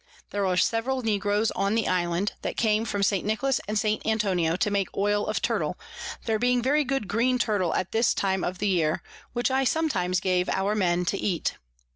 There were several Negroes on the Island, that came from St. Nicholas and St. Antonio to make Oil of Turtle, there being very good green Turtle at this time of the Year, which I sometimes gave our Men to eat.